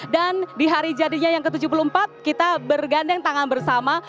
dan di hari jadinya yang ke tujuh puluh empat kita bergandeng tangan bersama